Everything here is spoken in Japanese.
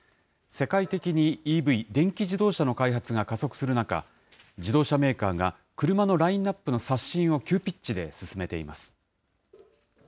世界的にＥＶ・電気自動車の開発が加速する中、自動車メーカーが車のラインナップの刷新を急ピッチで進めています。